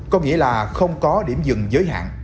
có nghĩa là không có điểm dừng giới hạn